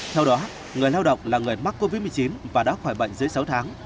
theo đó người lao động là người mắc covid một mươi chín và đã khỏi bệnh dưới sáu tháng